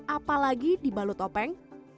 apalagi dibalut topeng